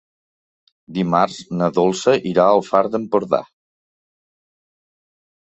Dimarts na Dolça irà al Far d'Empordà.